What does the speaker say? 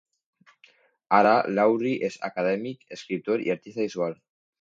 Ara Lowry és acadèmic, escriptor i artista visual.